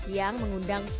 yang mengundang mermaid